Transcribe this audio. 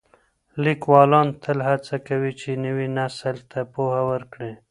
ليکوالان تل هڅه کوي چي نوي نسل ته پوهه ورکړي.